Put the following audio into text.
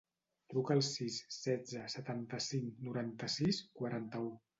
Truca al sis, setze, setanta-cinc, noranta-sis, quaranta-u.